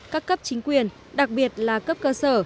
các cấp chính quyền đặc biệt là cấp cơ sở